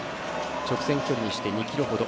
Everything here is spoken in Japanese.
直線距離にして２ｋｍほど。